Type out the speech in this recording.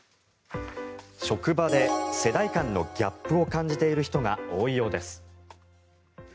職場で世代間のギャップを感じている人が多いようです。